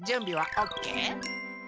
オッケー！